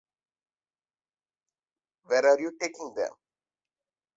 Where are you taking them?